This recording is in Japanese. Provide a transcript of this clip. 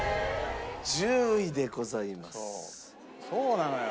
そうなのよ